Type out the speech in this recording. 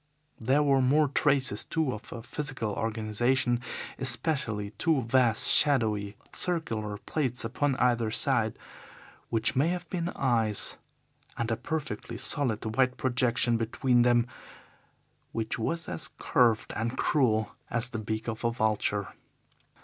There were more traces, too, of a physical organization, especially two vast, shadowy, circular plates upon either side, which may have been eyes, and a perfectly solid white projection between them which was as curved and cruel as the beak of a vulture.